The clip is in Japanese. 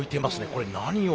これ何を。